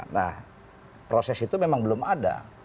nah proses itu memang belum ada